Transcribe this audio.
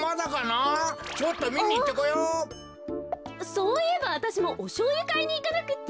そういえばわたしもおしょうゆかいにいかなくちゃ。